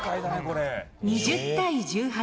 ２０対１８。